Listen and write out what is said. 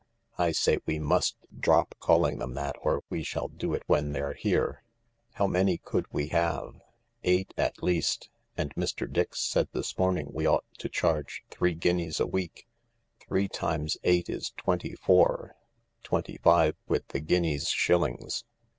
— I say, we must drop calling them that or we shall do it when they're here. How many could we have ? Eight at least, and Mr. Dix said this morning we ought to charge three guineas a week. Three times eight is twenty four — twenty five with the guineas shillings.